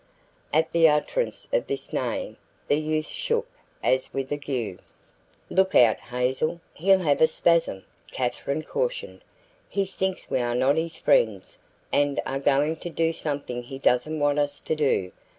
At the utterance of this name, the youth shook as with ague. "Look out, Hazel; he'll have a spasm," Katherine cautioned. "He thinks we are not his friends and are going to do something he doesn't want us to do.